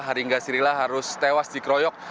haringga sirila harus tewas di kroyok